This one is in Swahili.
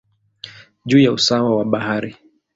juu ya usawa wa bahari.